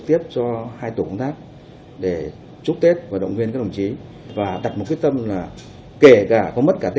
cấp độ tăng cường lượng các trinh sát